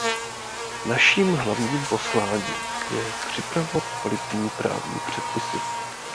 Naším hlavním posláním je připravovat kvalitní právní předpisy.